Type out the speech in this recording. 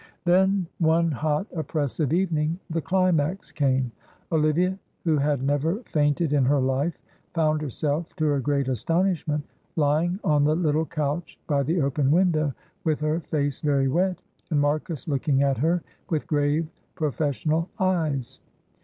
Then one hot oppressive evening the climax came. Olivia, who had never fainted in her life, found herself to her great astonishment lying on the little couch by the open window with her face very wet, and Marcus looking at her with grave professional eyes.